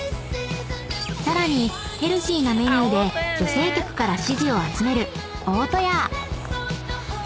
［さらにヘルシーなメニューで女性客から支持を集める］